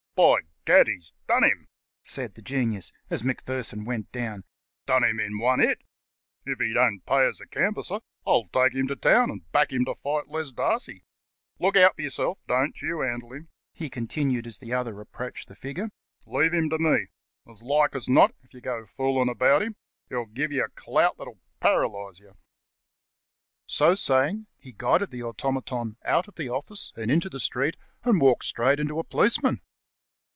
"By Gad! he's done him," said the Genius, as Mac pherson went down, "done him in one hit. If he don't pay as a canvasser I'll take him to town and back him to fight 28 The Cast iron Canvasser Les Darcy. Look out for yourself; don't you handle him!" he continued as the other approached the figure. "Leave him to me. As like as not, if you get fooling about him, he'll give you a clout that'll paralyse you." So saying, iie guided the automaton out of the office and into the street, and walked straight into a policeman.